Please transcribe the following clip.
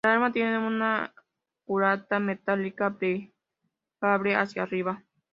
El arma tiene una culata metálica plegable hacia arriba.